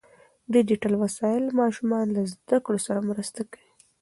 ډیجیټل وسایل ماشومان له زده کړو سره مرسته کوي.